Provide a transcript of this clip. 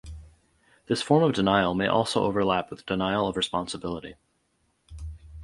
This form of denial may also overlap with denial of responsibility.